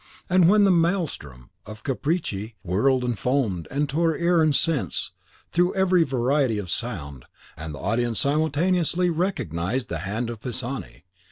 And when the Maelstrom of Capricci whirled and foamed, and tore ear and sense through every variety of sound, the audience simultaneously recognised the hand of Pisani.